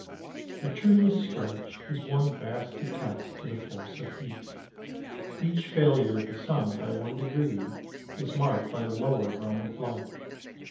The treeless stretch is one vast attest to the force of heat. Each failure of the sun by one degree is marked by a lower realm of life.